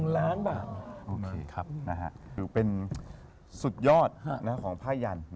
๑ล้านบาทโอเคถือเป็นสุดยอดของผ้ายัน